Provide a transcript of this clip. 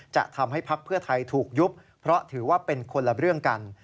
จะทำให้พักเพื่อไทยถูกยุบเพราะถือว่าเป็นคนละเรื่องกัน